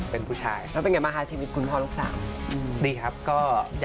คุณผู้ชมไม่เจนเลยค่ะถ้าลูกคุณออกมาได้มั้ยคะ